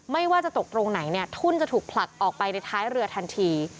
ไม่ว่าจะตกตรงไหนเนี่ยทุ่นจะถูกผลักออกไปในท้ายเรือทันที